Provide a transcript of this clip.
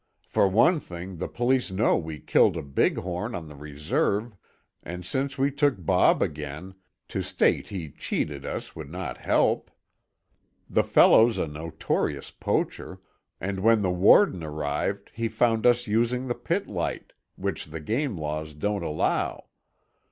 "For one thing, the police know we killed the big horn on the reserve, and since we took Bob again, to state he cheated us would not help. The fellow's a notorious poacher, and when the warden arrived he found us using the pit light, which the game laws don't allow.